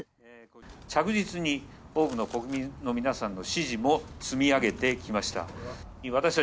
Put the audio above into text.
着実に多くの国民の皆さんの支持も積み上げてきました。